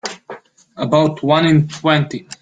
About one in twenty.